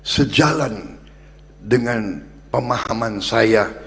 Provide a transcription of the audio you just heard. sejalan dengan pemahaman saya